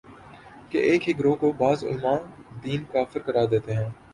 کہ ایک ہی گروہ کو بعض علماے دین کافر قرار دیتے ہیں